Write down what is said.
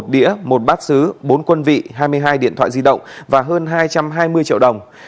một đĩa một bát xứ bốn quân vị hai mươi hai điện thoại di động và hơn hai trăm hai mươi triệu đồng